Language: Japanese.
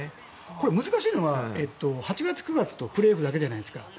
難しいのは、８月、９月とプレーオフだけじゃないですか。